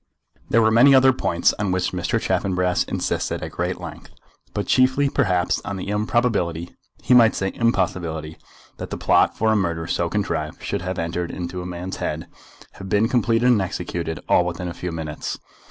There were many other points on which Mr. Chaffanbrass insisted at great length; but, chiefly, perhaps, on the improbability, he might say impossibility, that the plot for a murder so contrived should have entered into a man's head, have been completed and executed, all within a few minutes.